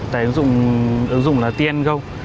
tải ứng dụng là tngo